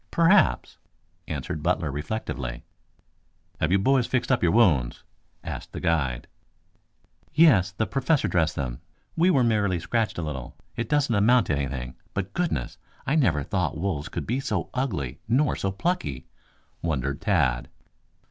"Perhaps," answered Butler reflectively. "Have you boys fixed up your wounds?" asked the guide. "Yes, the Professor dressed them. We were merely scratched a little. It doesn't amount to anything. But goodness! I never thought wolves could be so ugly nor so plucky," wondered Tad.